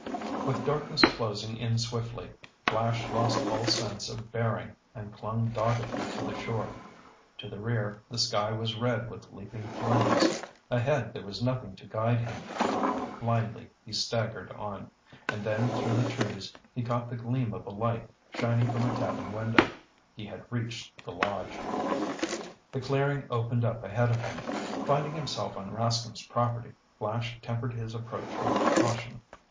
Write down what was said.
With darkness closing in swiftly, Flash lost all sense of bearing and clung doggedly to the shore. To the rear, the sky was red with leaping flames. Ahead, there was nothing to guide him. Blindly he staggered on. And then, through the trees, he caught the gleam of a light shining from a cabin window. He had reached the lodge! The clearing opened up ahead of him. Finding himself on Rascomb's property, Flash tempered his approach with caution.